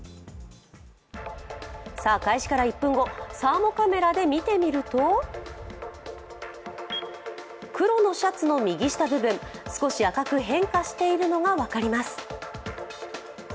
開始から１分後、サーモカメラで見てみると黒のシャツの右下部分、少し赤く変化しているのが分かります。